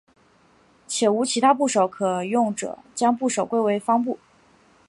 且无其他部首可用者将部首归为方部。